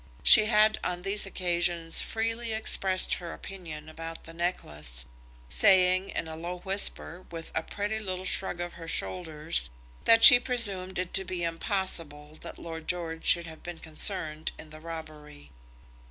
She had on these occasions freely expressed her opinion about the necklace, saying, in a low whisper, with a pretty little shrug of her shoulders, that she presumed it to be impossible that Lord George should have been concerned in the robbery.